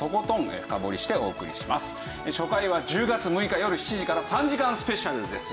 初回は１０月６日よる７時から３時間スペシャルです。